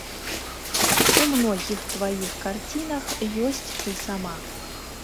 У многіх тваіх карцінах ёсць ты сама.